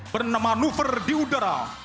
bernama nufer di udara